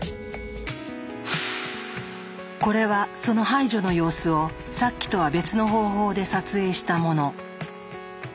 これはその排除の様子をさっきとは別の方法で撮影したもの。